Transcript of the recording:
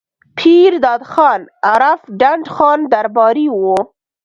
پير داد خان عرف ډنډ خان درباري وو